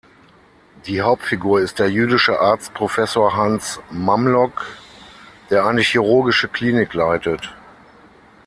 Die Hauptfigur ist der jüdische Arzt Professor Hans Mamlock, der eine chirurgische Klinik leitet.